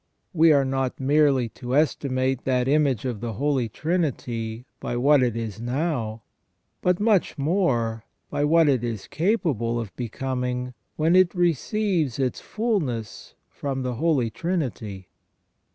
We are not merely to estimate that image of the Holy Trinity by what it is now, but much more by what it is capable of becoming when it receives its fulness from the Holy Trinity.